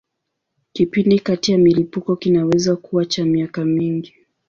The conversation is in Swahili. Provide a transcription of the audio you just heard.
Kipindi kati ya milipuko kinaweza kuwa cha miaka mingi.